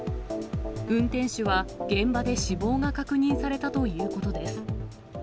運転手は、現場で死亡が確認されたということです。